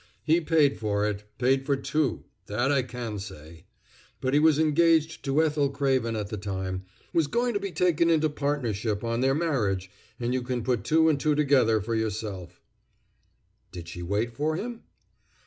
He paid for it paid for two that I can say! But he was engaged to Ethel Craven at the time, was going to be taken into partnership on their marriage, and you can put two and two together for yourself." "Did she wait for him?"